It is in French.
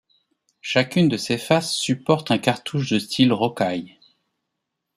Chacune de ses faces supporte un cartouche de style rocaille.